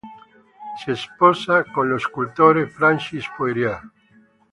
Si sposa con lo scultore Francis Poirier.